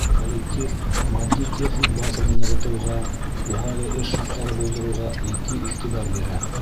Коллектив матди-техник базаны нығытыуға, уңайлы эш шарттары булдырыуға етди иғтибар бирә.